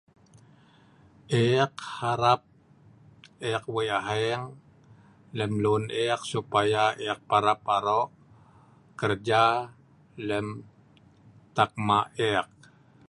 Eek harap eek weik aheng lem lun eek supaya eek parap arok kerja lem tap hma eek